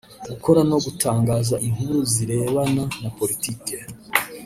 gukora no gutangaza inkuru zirebana na politiki